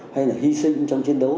hay là hy sinh trong chiến đấu